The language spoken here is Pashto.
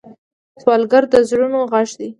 سوالګر د زړونو غږ دی